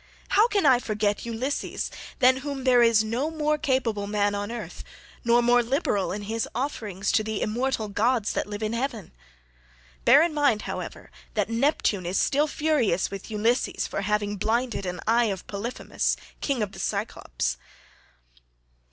How can I forget Ulysses than whom there is no more capable man on earth, nor more liberal in his offerings to the immortal gods that live in heaven? Bear in mind, however, that Neptune is still furious with Ulysses for having blinded an eye of Polyphemus king of the Cyclopes.